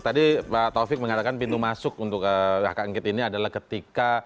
tadi pak taufik mengatakan pintu masuk untuk kakak angket ini adalah ketika